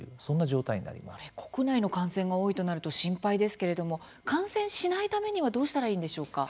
これ国内の感染が多いとなると心配ですけれども感染しないためにはどうしたらいいんでしょうか？